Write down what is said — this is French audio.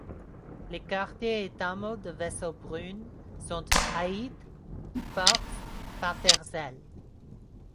Les quartiers et hameaux de Wessobrunn sont Haid, Forst, Paterzell.